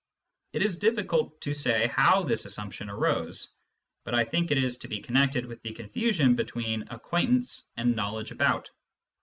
It is difficult to say how this assumption arose, but 1 think it is to be connected with the confusion between " acquaintance " and " knowledge about."